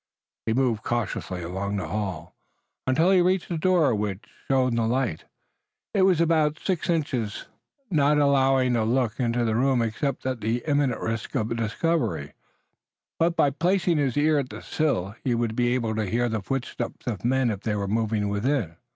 He moved cautiously along the hall, until he reached the door from which the light shone. It was open about six inches, not allowing a look into the room except at the imminent risk of discovery, but by placing his ear at the sill he would be able to hear the footsteps of men if they were moving within.